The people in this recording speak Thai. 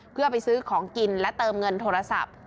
เพื่อไปซื้อของกินและเติมเงินโทรศัพท์